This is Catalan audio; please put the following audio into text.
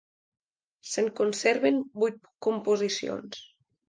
Se'n conserven vuit composicions.